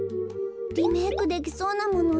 リメークできそうなもの